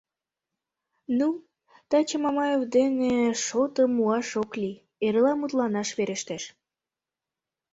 — Ну, таче Мамаев дене шотым муаш ок лий, эрла мутланаш верештеш.